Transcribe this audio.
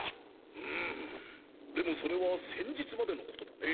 うんでもそれは先日までのことだね。